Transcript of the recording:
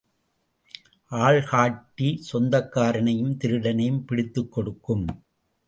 ஆள் காட்டி சொந்தக்காரனையும் திருடனையும் பிடித்துக கொடுக்கும்.